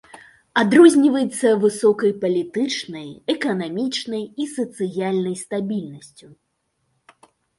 Адрозніваецца высокай палітычнай, эканамічнай і сацыяльнай стабільнасцю.